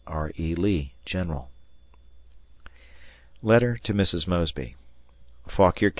R. E. Lee, General. [Letter to Mrs. Mosby] Fauquier Co.